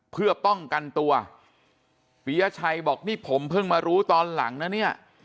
เพื่อป้องกันตัวปียชัยบอกนี่ผมเพิ่งมารู้ตอนหลังนะเนี่ย